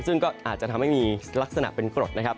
ซึ่งก็อาจจะทำให้มีลักษณะเป็นกรดนะครับ